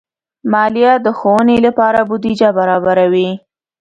مالیه د ښوونې لپاره بودیجه برابروي.